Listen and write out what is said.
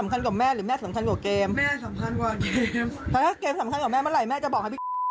ขอโทษจากใจจริง